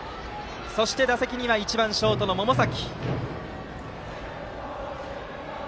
そして打席には１番ショートの百崎。